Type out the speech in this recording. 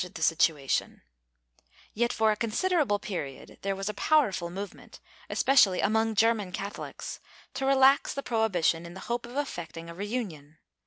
V ORDERS 337 Yet, for a considerable period there was a powerful movement, especially among German Catholics, to relax the prohibition in the hope of effecting a reunion.